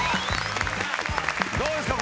どうですか？